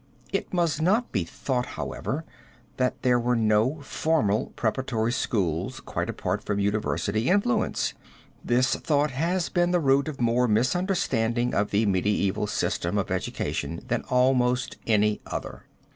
It must not be thought, however, that there were no formal preparatory schools quite apart from university influence. This thought has been the root of more misunderstanding of the medieval system of education than almost any other.